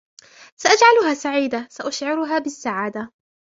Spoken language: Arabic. سأجعلها سعيدة - سأشعرها بالسعادة